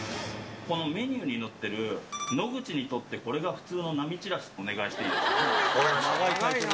このメニューに載ってる、野口にとってこれが普通の並ちらし、お願いしていいですか。